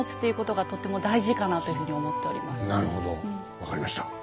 分かりました。